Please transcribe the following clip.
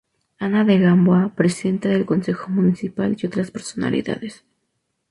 Ana de Gamboa, Presidenta del consejo Municipal y otras personalidades.